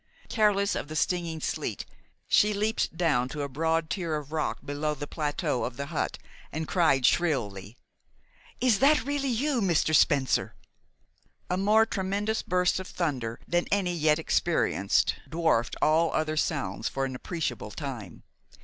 Careless of the stinging sleet, she leaped down to a broad tier of rock below the plateau of the hut and cried shrilly: "Is that really you, Mr. Spencer?" A more tremendous burst of thunder than any yet experienced dwarfed all other sounds for an appreciable time.